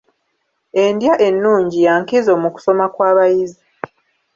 Endya ennungi ya nkizo mu kusoma kw'abayizi.